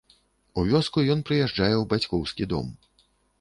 У вёску ён прыязджае ў бацькоўскі дом.